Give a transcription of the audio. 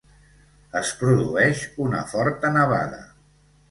Es produeix una forta nevada.